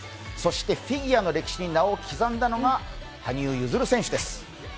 そしてフィギュアの歴史に名を刻んだのが羽生結弦選手です。